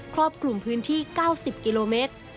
รอบคลุมพื้นที่๙๐กิโลเมตร